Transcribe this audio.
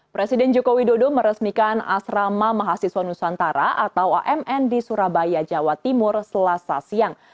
presiden joko widodo meresmikan asrama mahasiswa nusantara atau amn di surabaya jawa timur selasa siang